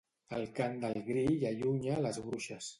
El cant del grill allunya a les bruixes.